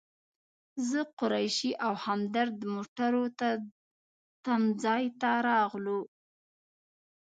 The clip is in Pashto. زه، قریشي او همدرد موټرو تم ځای ته راغلو.